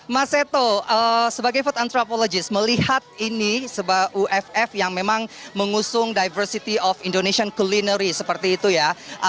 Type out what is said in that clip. mas seto sebagai food antropologis melihat ini sebuah uff yang memang mengusung diversity of indonesian culinary seperti itu ya